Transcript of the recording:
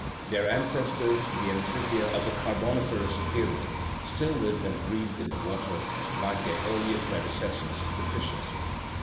Their ancestors, the amphibia of the Carboniferous period, still lived and breathed in the water, like their earlier predecessors, the fishes.